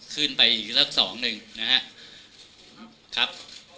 ขึ้นไปอีกสักสองหนึ่งนะครับ